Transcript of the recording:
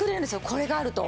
これがあると。